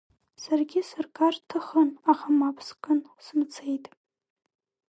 Саргьы сыргар рҭахын, аха мап скын, сымцеит.